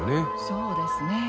そうですね。